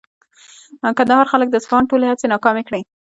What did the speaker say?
د کندهار خلکو د اصفهان ټولې هڅې ناکامې کړې.